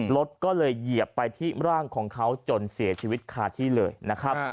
รถก็เลยเหยียบไปที่ร่างของเขาจนเสียชีวิตคาที่เลยนะครับ